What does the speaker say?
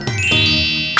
gak ada nyamuk